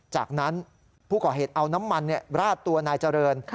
จากนั้นผู้ก่อเหตุเอาน้ำมันเนี่ยราดตัวนายจาเบิร์น